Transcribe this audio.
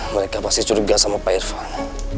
mereka pasti curiga sama pak irfan